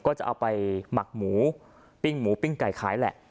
ก็จะเอาไปหมักหมูปิ้งหมูปิ้งไก่ขายแหละ